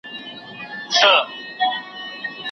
یو قلم یو جهاني دی نه د جنګ یم نه د توري